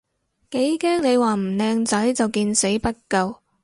幾驚你話唔靚仔就見死不救